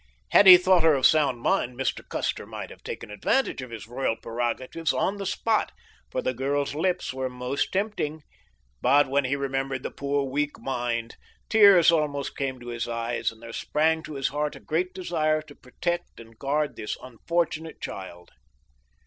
Had he thought her of sound mind Mr. Custer might have taken advantage of his royal prerogatives on the spot, for the girl's lips were most tempting; but when he remembered the poor, weak mind, tears almost came to his eyes, and there sprang to his heart a great desire to protect and guard this unfortunate child.